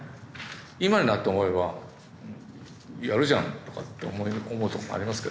今になって思えば「やるじゃん」とかって思うとこもありますけど。